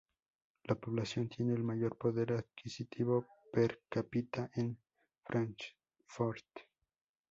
La población tiene el mayor poder adquisitivo per cápita en Fráncfort.